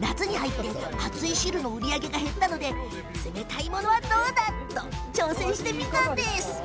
夏に入って熱い汁の売り上げが減ったので冷たいものを挑戦してみたんです。